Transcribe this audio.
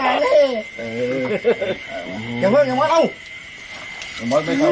อย่าปล่อยข่าวเลย